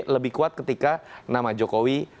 lebih kuat ketika nama jokowi